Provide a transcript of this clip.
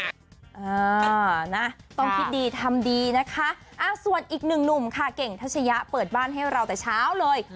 อ่านะต้องคิดดีทำดีนะคะอ่าส่วนอีกหนึ่งหนุ่มค่ะเก่งทัชยะเปิดบ้านให้เราแต่เช้าเลย